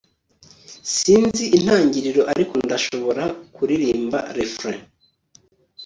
sinzi intangiriro, ariko ndashobora kuririmba refrain